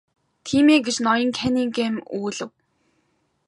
Тийм ээ гэж ноён Каннингем өгүүлэв.